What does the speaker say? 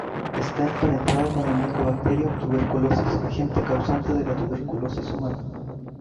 Está emparentada con el mycobacterium tuberculosis, agente causante de la tuberculosis humana.